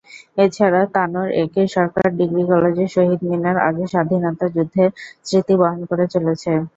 এছাড়া Tanore A K Sarkar degree কলেজের "শহীদ মিনার" আজও স্বাধীনতা যুদ্ধের স্মৃতি বহন করে চলেছে।